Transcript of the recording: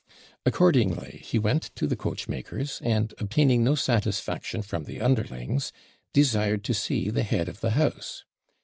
Accordingly, he went to the coachmaker's, and, obtaining no satisfaction from the underlings, desired to see the head of the house.